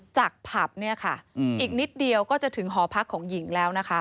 จากผับเนี่ยค่ะอีกนิดเดียวก็จะถึงหอพักของหญิงแล้วนะคะ